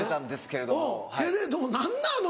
「けれども」何なの？